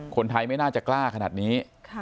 คนไทยไม่น่าจะกล้าขนาดนี้